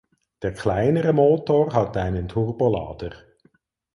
Der kleinere Motor hat einen Turbolader.